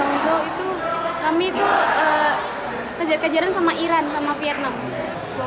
lawan terberat di hongkong itu kami itu kejar kejaran sama iran sama vietnam